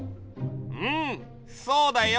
うんそうだよ。